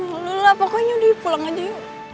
malulah pokoknya udah pulang aja yuk